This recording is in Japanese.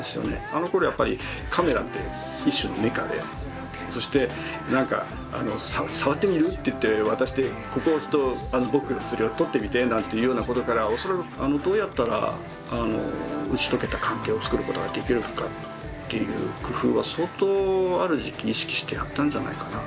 あのころやっぱりカメラって一種のメカでそして何か「触ってみる？」って言って渡して「ここを押すと僕が写るよ。撮ってみて」なんていうようなことから恐らくどうやったら打ち解けた関係をつくることができるかという工夫は相当ある時期意識してやったんじゃないかな。